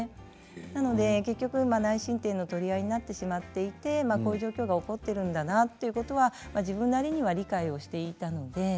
なので結局内申点の取り合いになってしまっていてこういう状況が起こってるんだなということは自分なりには理解をしていたので。